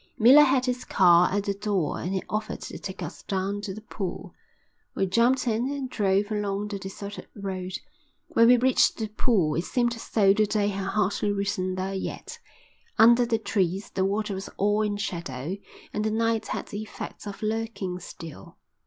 Miller had his car at the door and he offered to take us down to the pool. We jumped in and drove along the deserted road. When we reached the pool it seemed as though the day had hardly risen there yet. Under the trees the water was all in shadow and the night had the effect of lurking still.